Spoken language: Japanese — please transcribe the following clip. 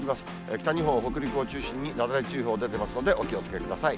北日本、北陸を中心に雪崩注意報出てますので、お気をつけください。